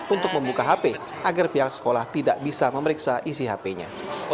untuk membuka hp agar pihak sekolah tidak bisa memeriksa isi hp nya